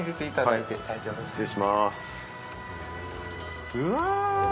失礼します。